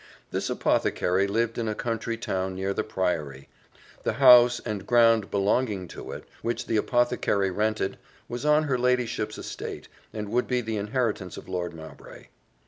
This apothecary lived in a country town near the Priory; the house, and ground belonging to it, which the apothecary rented, was on her ladyship's estate, and would be the inheritance of Lord Mowbray.